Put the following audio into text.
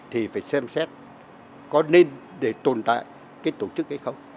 thì phải xem xét có nên để tồn tại cái tổ chức hay không